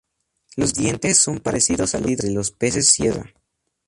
Los dientes son parecidos a los de los peces sierra.